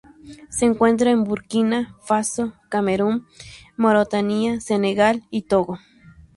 Se encuentra en Burkina Faso, Camerún, Mauritania, Senegal y Togo.